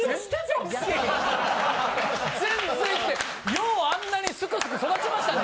ようあんなにすくすく育ちましたね。